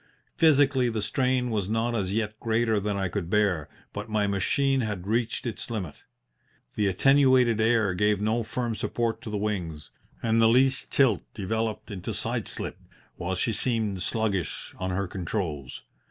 Physically, the strain was not as yet greater than I could bear, but my machine had reached its limit. The attenuated air gave no firm support to the wings, and the least tilt developed into side slip, while she seemed sluggish on her controls.